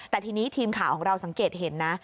แต่ทีนี้ทีมข่าวของเราสังเกตเห็นนะ